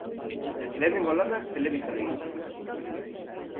Lehenengo lanak telebistan egin zituen.